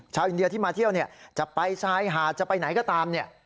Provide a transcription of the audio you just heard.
ชาวอินเดียที่มาเที่ยวเนี่ยจะไปชายหาดจะไปไหนก็ตามเนี่ย